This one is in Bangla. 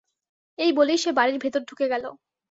এই বলেই সে বাড়ির ভেতর ঢুকে গেল।